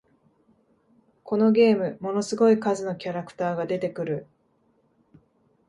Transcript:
このゲーム、ものすごい数のキャラクターが出てくる